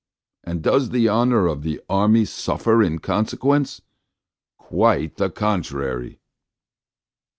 And does the honour of the army suffer in consequence? Quite the opposite!"